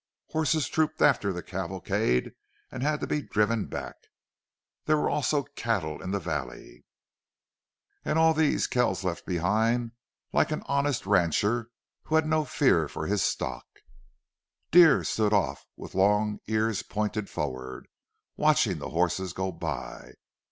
Horses trooped after the cavalcade and had to be driven back. There were also cattle in the valley, and all these Kells left behind like an honest rancher who had no fear for his stock. Deer stood off with long ears pointed forward, watching the horses go by.